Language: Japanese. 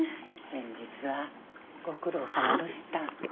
先日はご苦労さまどした。